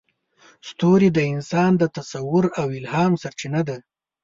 ستوري د انسان د تصور او الهام سرچینه ده.